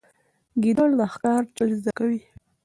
ګیدړ د ښکار چل زده کوي.